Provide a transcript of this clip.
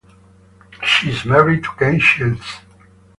She is married to Ken Shields.